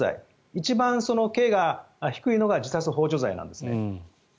一番、刑が低いのが自殺ほう助罪なんですね。